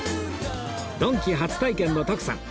ドンキ初体験の徳さん